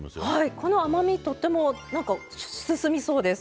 この甘みとってもなんか進みそうです。